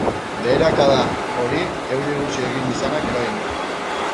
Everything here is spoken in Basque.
Beherakada hori euri gutxi egin izanak eragin du.